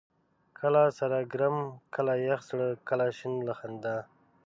کله سر ګرم ، کله يخ زړه، کله شين له خندا